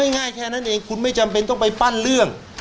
ง่ายแค่นั้นเองคุณไม่จำเป็นต้องไปปั้นเรื่อง